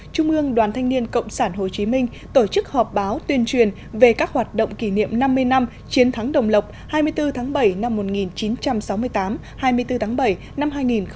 trung ương đoàn thanh niên cộng sản hồ chí minh tổ chức họp báo tuyên truyền về các hoạt động kỷ niệm năm mươi năm chiến thắng đồng lộc hai mươi bốn tháng bảy năm một nghìn chín trăm sáu mươi tám hai mươi bốn tháng bảy năm hai nghìn một mươi chín